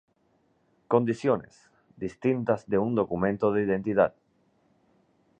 Condiciones, distintas de un documento de identidad.